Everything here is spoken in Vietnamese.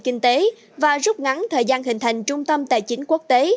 kinh tế và rút ngắn thời gian hình thành trung tâm tài chính quốc tế